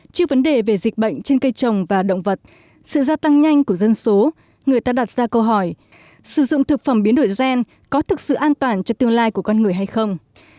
trước vấn đề về dịch bệnh trên cây trồng và động vật sự gia tăng nhanh của dân số người ta đặt ra câu hỏi sử dụng thực phẩm biến đổi gen có thực sự an toàn cho tương lai của con người hay không